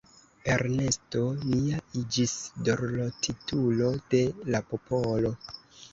Ernesto nia iĝis dorlotitulo de la popolo.